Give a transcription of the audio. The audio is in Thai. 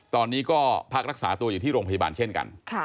ตอนนี้ก็พักรักษาตัวอยู่ที่โรงพยาบาลเช่นกัน